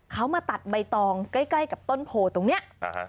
เขามาตัดใบตองใกล้กับต้นโพตรตรงเนี้ยอ่า